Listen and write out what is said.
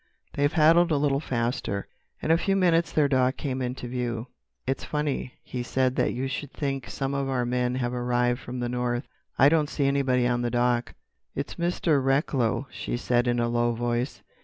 They paddled a little faster. In a few minutes their dock came into view. "It's funny," he said, "that you should think some of our men have arrived from the North. I don't see anybody on the dock." "It's Mr. Recklow," she said in a low voice.